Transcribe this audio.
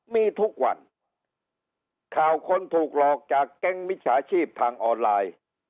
มีทุกวันข่าวคนถูกหลอกจากแก๊งมิจฉาชีพทางออนไลน์